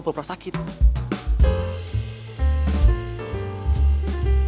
ia sama ada kita doing